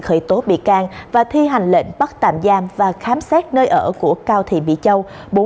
khởi tố bị can và thi hành lệnh bắt tạm giam và khám xét nơi ở của cao thị mỹ châu